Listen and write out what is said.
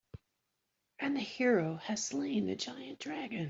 And the hero has slain the giant dragon.